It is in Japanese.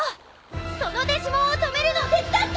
そのデジモンを止めるの手伝って！